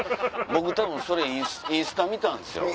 僕たぶんそれインスタ見たんですよ。